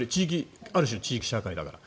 ある種の地域社会だから。